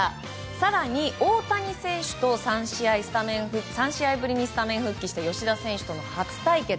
更に、大谷選手と３試合ぶりにスタメン復帰した吉田選手との初対決。